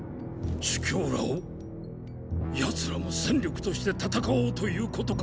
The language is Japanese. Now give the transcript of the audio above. “朱凶”らを⁉奴らも戦力として戦おうということか。